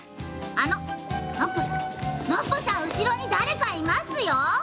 あのノッポさんノッポさん後ろに誰かいますよ！